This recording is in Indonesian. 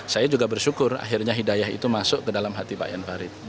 saya juga bersyukur akhirnya hidayah itu masuk ke dalam hati pak jan farid